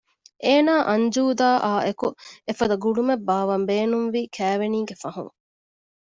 އޭނާ އަންޖޫދާއާއެކު އެފަދަ ގުޅުމެއް ބާއްވަން ބޭނުންވީ ކައިވެނީގެ ފަހުން